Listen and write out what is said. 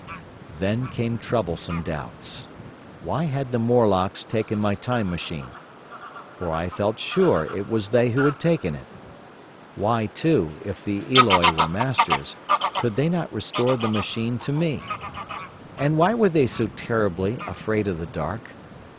"Then came troublesome doubts. Why had the Morlocks taken my Time Machine? For I felt sure it was they who had taken it. Why, too, if the Eloi were masters, could they not restore the machine to me? And why were they so terribly afraid of the dark?